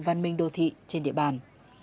văn minh đô thị trên địa bàn